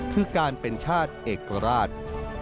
คือการเป็นชาติเอกราช